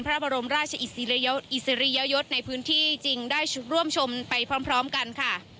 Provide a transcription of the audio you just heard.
พระบรมราชอิสริยยศในพื้นที่จึงได้ร่วมชมไปพร้อมกันค่ะ